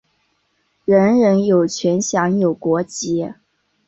人人有权享有国籍。